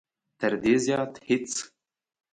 تر دې زیات هېڅ.